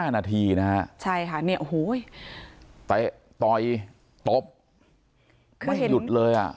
๕นาทีนะฮะใช่ค่ะเนี่ยโอ้โหเตะต่อยตบไม่หยุดเลยอ่ะ